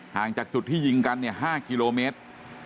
จากจุดที่ยิงกัน๕กิโลเมตร